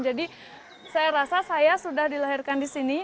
jadi saya rasa saya sudah dilahirkan di sini